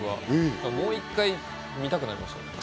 もう１回見たくなりました。